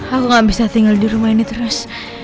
aku gak bisa tinggal di rumah ini terus